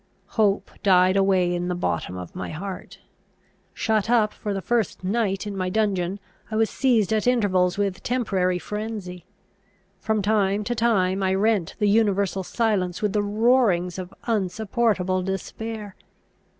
Hope died away in the bottom of my heart. Shut up for the first night in my dungeon, I was seized at intervals with temporary frenzy. From time to time, I rent the universal silence with the roarings of unsupportable despair.